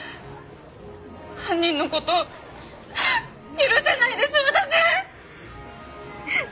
犯人の事許せないです私！